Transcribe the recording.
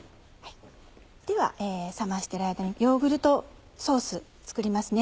では冷ましてる間にヨーグルトソース作りますね。